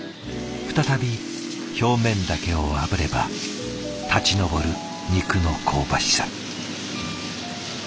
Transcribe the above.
再び表面だけをあぶれば立ち上る肉の香ばしさ。